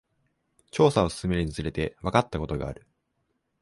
調査を進めるにつれて、わかったことがある。